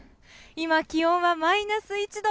今、気温はマイナス１度。